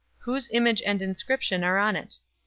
Whose image and inscription are on it?"